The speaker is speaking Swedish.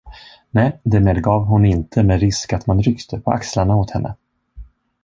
Nej, det medgav hon inte med risk att man ryckte på axlarna åt henne.